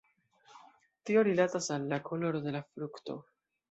Tio rilatas al la koloro de la frukto.